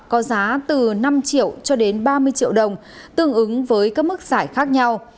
có giá từ năm triệu cho đến ba mươi triệu đồng tương ứng với các mức giải khác nhau